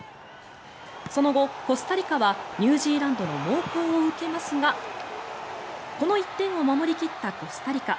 その後、コスタリカはニュージーランドの猛攻を受けますがこの１点を守り切ったコスタリカ。